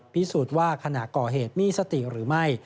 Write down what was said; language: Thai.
พิสูจน์ว่าขณะก่อเหตุมีสติหรือไม่